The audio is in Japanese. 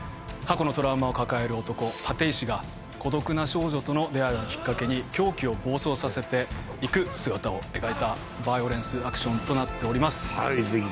過去のトラウマを抱える男立石が孤独な少女との出会いをきっかけに狂気を暴走させていく姿を描いたバイオレンスアクションとなっております